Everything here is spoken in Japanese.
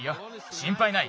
しんぱいない。